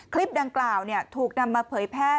คลิปดังกล่าวถูกนำมาเผยแพร่